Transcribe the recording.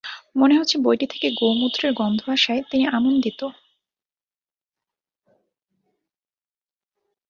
মনে হচ্ছে বইটি থেকে গো-মূত্রের গন্ধ আসায় তিনি আনন্দিত।